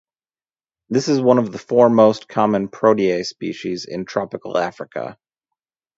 This is one of the four most common "Protea" species in tropical Africa.